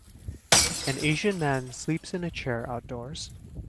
An Asian man sleeps in a chair outdoors.